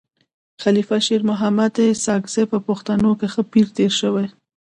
خلیفه شیرمحمد ساکزی په پښتنو کي ښه پير تير سوی دی.